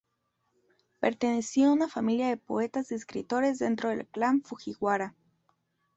Perteneció a una familia de poetas y escritores dentro del clan Fujiwara.